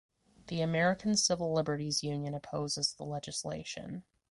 The American Civil Liberties Union opposes the legislation.